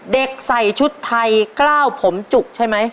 เด็กใส่ชุดไทยกล้าวผมจุกใช่ไหม